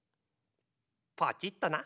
ポチッとな。